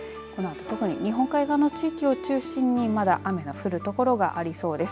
このあと日本海側の地域を中心にまだ雨が降るところがありそうです。